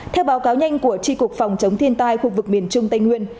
theo báo cáo nhanh của tri cục phòng chống thiên tai khu vực miền trung tây nguyên